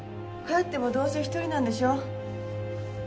帰ってもどうせ一人なんでしょ？